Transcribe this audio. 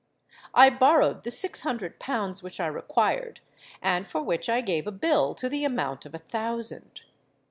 I borrowed the six hundred pounds which I required, and for which I gave a bill to the amount of a thousand.